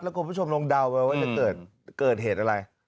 คุณผู้ชมลองเดาไปว่าจะเกิดเหตุอะไร